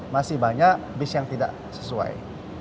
masih banyak bis yang tidak sesuai